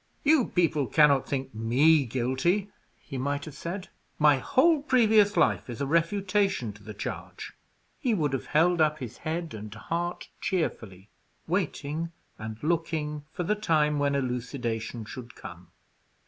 "You people cannot think me guilty," he might have said; "my whole previous life is a refutation to the charge." He would have held up his head and heart cheerfully; waiting, and looking for the time when elucidation should come.